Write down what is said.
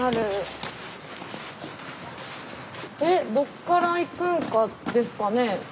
どっから行くんですかね。